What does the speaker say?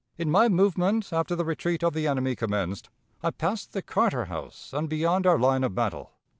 In my movement after the retreat of the enemy commenced, I passed the Carter house and beyond our line of battle.